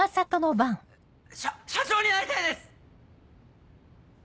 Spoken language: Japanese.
しゃ社長になりたいです！